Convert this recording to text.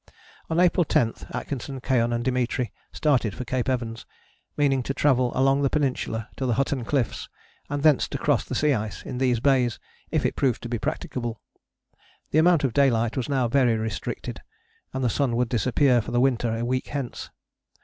On April 10 Atkinson, Keohane and Dimitri started for Cape Evans, meaning to travel along the Peninsula to the Hutton Cliffs, and thence to cross the sea ice in these bays, if it proved to be practicable. The amount of daylight was now very restricted, and the sun would disappear for the winter a week hence.